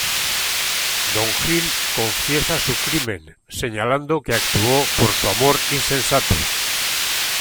Don Gil confiesa su crimen, señalando que actuó por su amor insensato.